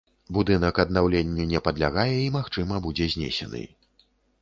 Будынак аднаўленню не падлягае і, магчыма, будзе знесены.